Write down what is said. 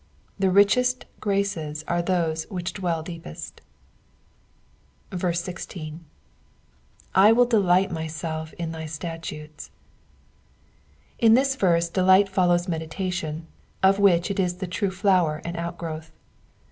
The richest graces are these which dwell deepest. 16. *'/ will delight myself in thy statutes,^'* In this verse delight follows meditation, of which it is the true fiower and outgrowth.